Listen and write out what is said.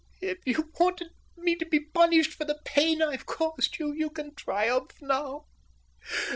"Oh, if you wanted me to be punished for the pain I've caused you, you can triumph now.